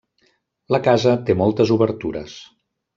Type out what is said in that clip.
La casa té moltes obertures.